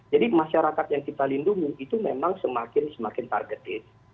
jadi masyarakat yang kita lindungi itu memang semakin semakin target